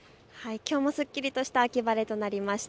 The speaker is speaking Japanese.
きょうもすっきりとした秋晴れとなりました。